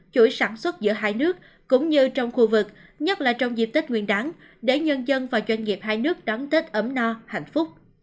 chuỗi sản xuất giữa hai nước cũng như trong khu vực nhất là trong dịp tết nguyên đáng để nhân dân và doanh nghiệp hai nước đón tết ấm no hạnh phúc